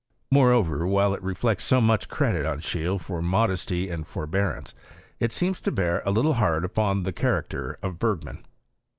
Moreover, while it reflects so much credit on Scheele for modesty and forbearance, it seems to bear a little hard upon the character of Bergman.